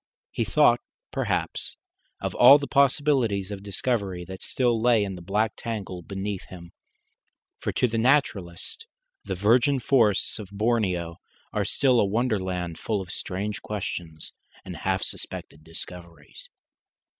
He thought, perhaps, of all the possibilities of discovery that still lay in the black tangle beneath him; for to the naturalist the virgin forests of Borneo are still a wonderland full of strange questions and half suspected discoveries.